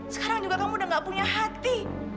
sekarang juga kamu udah gak punya hati